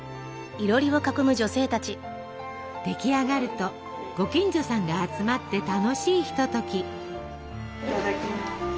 出来上がるとご近所さんが集まって楽しいひととき。